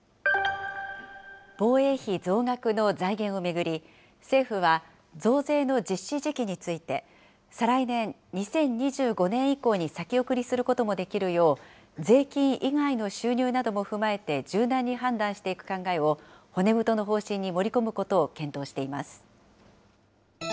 防衛費増額の財源を巡り、政府は増税の実施時期について、再来年・２０２５年以降に先送りすることもできるよう、税金以外の収入なども踏まえて柔軟に判断していく考えを骨太の方針に盛り込むことを検討しています。